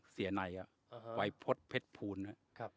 เสียในอ่ะอ่าฮะไว้พดเพชรภูมินะครับ